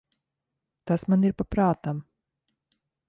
Tas man ir pa prātam.